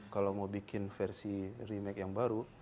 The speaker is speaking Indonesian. kalau mau bikin versi remake yang baru